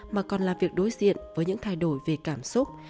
mà còn là việc đối diện với những thay đổi về cảm xúc